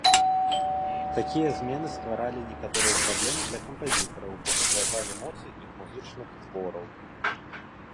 Такія змены стваралі некаторыя праблемы для кампазітараў, бо пагражалі моцы іх музычных твораў.